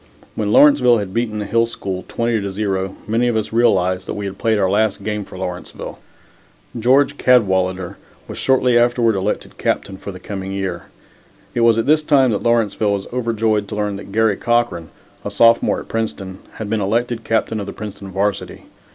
When Lawrenceville had beaten the Hill School 20 to 0, many of us realized that we had played our last game for Lawrenceville. George Cadwalader was shortly afterward elected Captain for the coming year. It was at this time that Lawrenceville was overjoyed to learn that Garry Cochran, a sophomore at Princeton, had been elected captain of the Princeton varsity.